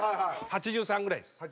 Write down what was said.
８３ぐらいです。